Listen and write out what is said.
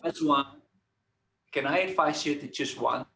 bisa saya sarankan anda memilih satu hal